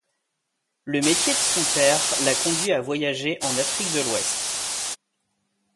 Le métier de son père la conduit à voyager en Afrique de l’Ouest.